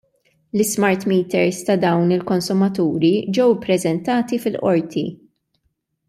L-ismart meters ta' dawn il-konsumaturi ġew ippreżentati fil-Qorti.